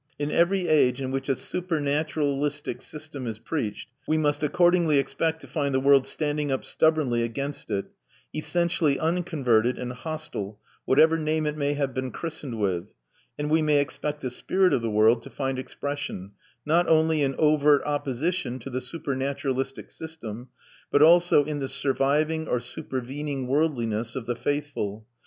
In every age in which a supernaturalistic system is preached we must accordingly expect to find the world standing up stubbornly against it, essentially unconverted and hostile, whatever name it may have been christened with; and we may expect the spirit of the world to find expression, not only in overt opposition to the supernaturalistic system, but also in the surviving or supervening worldliness of the faithful.